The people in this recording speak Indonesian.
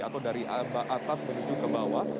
atau dari atas menuju ke bawah